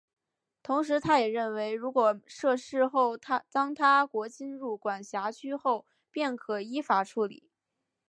同时他也认为如果设市后当他国侵入管辖区后便可依法处理。